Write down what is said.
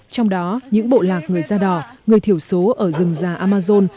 trong đó những bộ lạc người da đỏ người thiểu số ở rừng già amazon